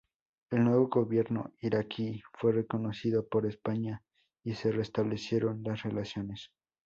El nuevo gobierno iraquí fue reconocido por España y se restablecieron las relaciones.